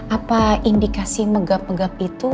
apa indikasi megap megap itu